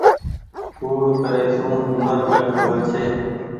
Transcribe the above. ڪوڙي ڪري سون اومر گھٽ هووي ڇي۔